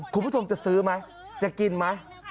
คุณผู้ชมจะซื้อไหมจะกินไหม